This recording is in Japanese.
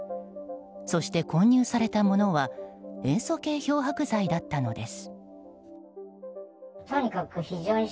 そして混入されたものは塩素系漂白剤だったのです。